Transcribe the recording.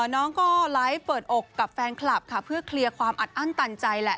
น้องก็ไลฟ์เปิดอกกับแฟนคลับค่ะเพื่อเคลียร์ความอัดอั้นตันใจแหละ